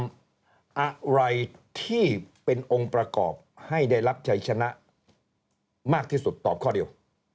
อะไรที่เป็นองค์ประกอบให้ได้รับชัยชนะมากที่สุดตอบข้อเดียว